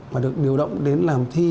mà được điều động đến làm thi